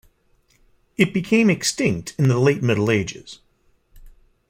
It became extinct in the Late Middle Ages.